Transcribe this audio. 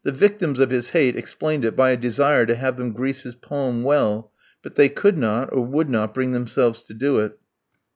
The victims of his hate explained it by a desire to have them grease his palm well, but they could not, or would not, bring themselves to do it.